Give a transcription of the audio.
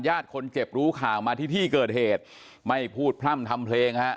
ญาติคนเจ็บรู้ข่าวมาที่ที่เกิดเหตุไม่พูดพร่ำทำเพลงฮะ